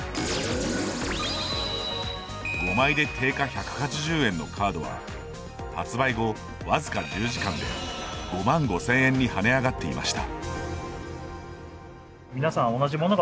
５枚で定価１８０円のカードは発売後わずか１０時間で５万５０００円に跳ね上がっていました。